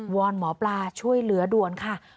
อนหมอปลาช่วยเหลือด่วนค่ะ